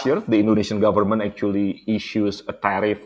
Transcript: pemerintah indonesia sebenarnya memiliki tarif